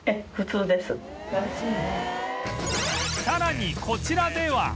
さらにこちらでは